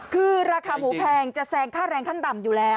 คือราคาหมูแพงจะแซงค่าแรงขั้นต่ำอยู่แล้ว